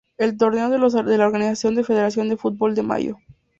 El torneo lo organiza la federación de fútbol de Maio.